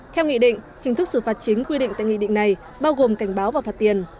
theo nghị định hình thức xử phạt chính quy định tại nghị định này bao gồm cảnh báo và phạt tiền